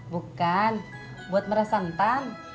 bukan buat meras santan